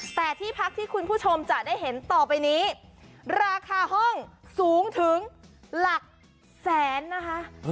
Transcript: แต่ที่พักที่คุณผู้ชมจะได้เห็นต่อไปนี้ราคาห้องสูงถึงหลักแสนนะคะ